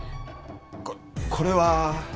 ここれは。